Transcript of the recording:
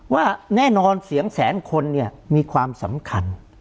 ว่าแน่นอนเสียงแสนคนเนี่ยมีความสำคัญ